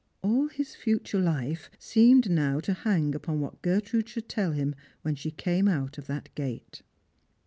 All his future life seemed now to hang upon what Gertrude should tell him when she came out of that gate.